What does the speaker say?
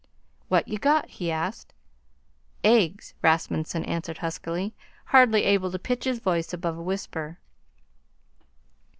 "What you got?" he asked. "Eggs," Rasmunsen answered huskily, hardly able to pitch his voice above a whisper.